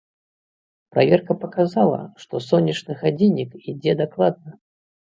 Праверка паказала, што сонечны гадзіннік ідзе дакладна.